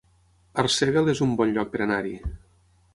Arsèguel es un bon lloc per anar-hi